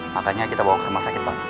makanya kita bawa ke rumah sakit pak